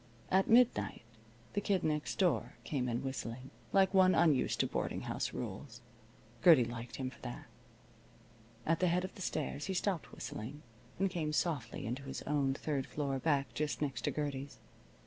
At midnight the Kid Next Door came in whistling, like one unused to boarding house rules. Gertie liked him for that. At the head of the stairs he stopped whistling and came softly into his own third floor back just next to Gertie's.